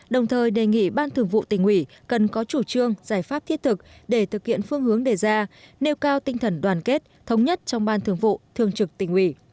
đồng thời đề nghị ban thường vụ tỉnh ủy cần có chủ trương giải pháp thiết thực để thực hiện phương hướng đề ra nêu cao tinh thần đoàn kết thống nhất trong ban thường vụ thường trực tỉnh ủy